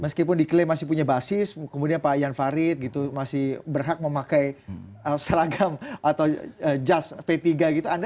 meskipun diklaim masih punya basis kemudian pak ian farid gitu masih berhak memakai seragam atau jas p tiga gitu